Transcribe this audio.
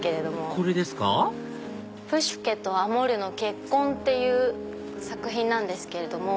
これですか『プシュケとアモルの結婚』という作品なんですけれども。